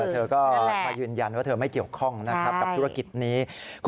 เธอก็มายืนยันว่าเธอไม่เกี่ยวข้องนะครับกับธุรกิจนี้